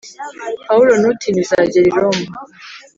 Pawulo ntutinye Uzagera i Roma